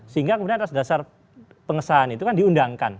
sehingga kemudian atas dasar pengesahan itu kan diundangkan